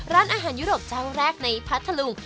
ร้านอาหารยุโรปเจ้าแรกในพัทธลุง